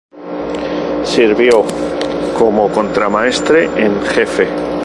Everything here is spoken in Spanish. Sirvió como contramaestre en jefe.